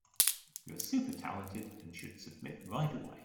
You are super talented and should submit right away.